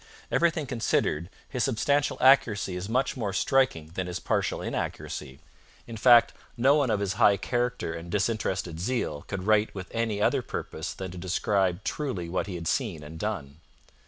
Everything considered, his substantial accuracy is much more striking than his partial inaccuracy. In fact, no one of his high character and disinterested zeal could write with any other purpose than to describe truly what he had seen and done.